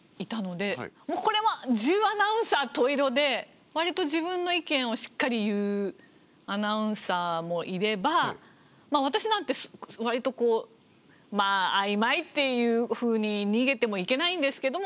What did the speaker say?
もうこれは十アナウンサー十色でわりと自分の意見をしっかり言うアナウンサーもいれば私なんてわりとまあ曖昧っていうふうに逃げてもいけないんですけども。